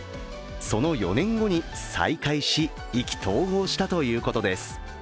その４年後に再会し、意気投合したということです。